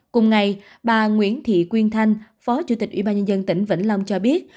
cùng ngày bà nguyễn thị quyên thanh phó chủ tịch ubnd tỉnh vĩnh long cho biết